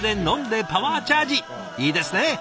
いいですねえ。